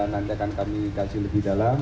nanti akan kami kaji lebih dalam